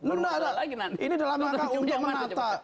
ini dalam maka untuk menata